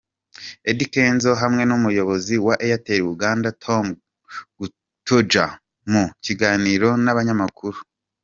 Eddy Kenzo hamwe n'umuyobozi wa Airtel Uganda Tom Gutjahr mu kiganiro n'abanyamakuru.